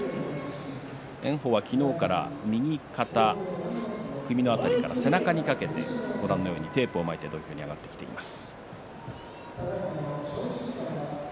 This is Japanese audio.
炎鵬は昨日から右肩、首の辺りから背中にかけてテープを巻いて土俵に上がっています。